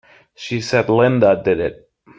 She said Linda did it!